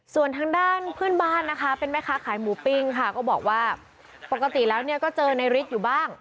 ส่วนทางด้านพื้นบ้านเป็นแม่ค้าขายหมูปิ้งบอกว่าปกติแล้วเจอในฮาร์มอยู่บ้าง